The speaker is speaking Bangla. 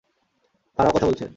ফারাও কথা বলছে।